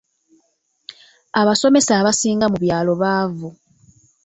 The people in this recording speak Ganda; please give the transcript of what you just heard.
Abasomesa abasinga mu byalo baavu.